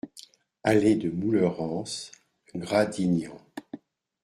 Allée de Moulerens, Gradignan